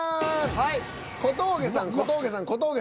はい。